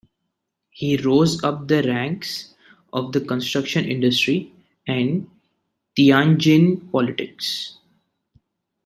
He rose up the ranks of the construction industry and Tianjin politics.